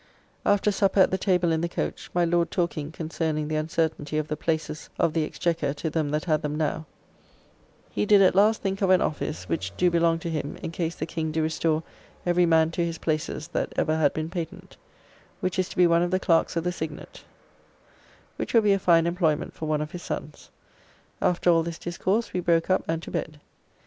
After supper at the table in the coach, my Lord talking concerning the uncertainty of the places of the Exchequer to them that had them now; he did at last think of an office which do belong to him in case the King do restore every man to his places that ever had been patent, which is to be one of the clerks of the signet, which will be a fine employment for one of his sons. After all this discourse we broke up and to bed.